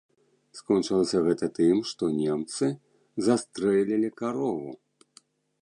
Скончылася гэта тым, што немцы застрэлілі карову.